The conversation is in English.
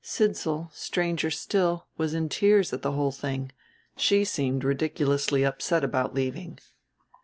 Sidsall, stranger still, was in tears at the whole thing; she seemed ridiculously upset about leaving."